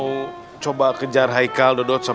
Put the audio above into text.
usat tidak ada yang bisa